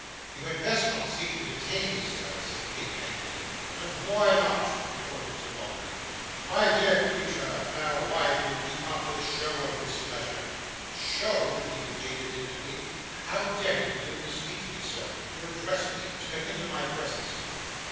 'You had best not seek to detain me, sir!' said Kate, angrily. 'And why not?' retorted Sir Mulberry. 'My dear creature, now why do you keep up this show of displeasure?' 'SHOW!' repeated Kate, indignantly. 'How dare you presume to speak to me, sir to address me to come into my presence?